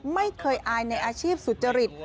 ไม่เคยอายในอาชีพสุจริต